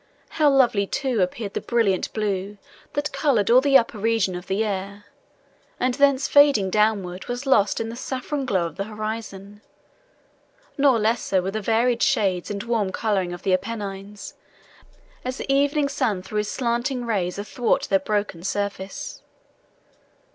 How lovely, too, appeared the brilliant blue that coloured all the upper region of the air, and, thence fading downward, was lost in the saffron glow of the horizon! Nor less so were the varied shades and warm colouring of the Apennines, as the evening sun threw his slanting rays athwart their broken surface.